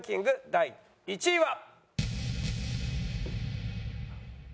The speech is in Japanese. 第１位は。